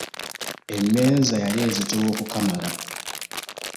Emmeeza yali ezitowa okukamala.